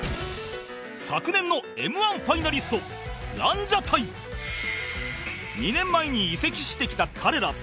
昨年の Ｍ−１ ファイナリストランジャタイ２年前に移籍してきた彼ら